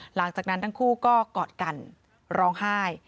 หลังจากนั้นทั้งคู่ก็กอดกันร้องไห้